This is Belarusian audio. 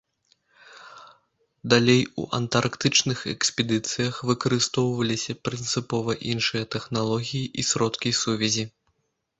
Далей у антарктычных экспедыцыях выкарыстоўваліся прынцыпова іншыя тэхналогіі і сродкі сувязі.